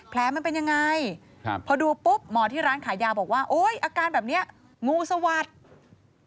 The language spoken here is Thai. มันเป็นยังไงครับพอดูปุ๊บหมอที่ร้านขายยาบอกว่าโอ๊ยอาการแบบนี้งูสวัสดิ์